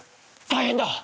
大変だ！